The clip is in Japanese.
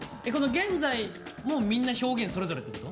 現在もみんな表現それぞれってこと？